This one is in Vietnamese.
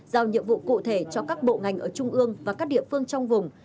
giao nhiệm vụ cụ thể cho các bộ ngành ở trung ương và các địa phương trong vùng